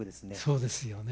そうですよね。